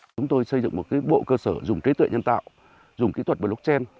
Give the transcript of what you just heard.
chúng tôi xây dựng một bộ cơ sở dùng trí tuệ nhân tạo dùng kỹ thuật blockchain